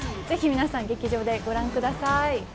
ぜひ皆さん、劇場でご覧ください。